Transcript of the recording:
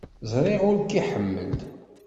Ẓriɣ ur k-iḥemmel.